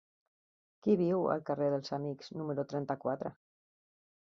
Qui viu al carrer dels Amics número trenta-quatre?